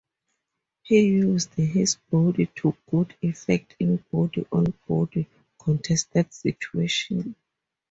He used his body to good effect in body on body contested situations.